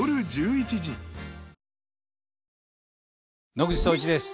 野口聡一です。